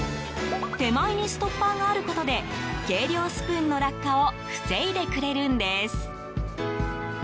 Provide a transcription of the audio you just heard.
手前にストッパーがあることで計量スプーンの落下を防いでくれるんです。